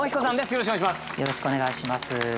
よろしくお願いします。